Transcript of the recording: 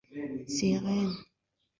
serene hadi na miamba na wauaji Tulifurahi